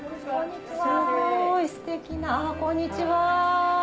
すごいステキなこんにちは。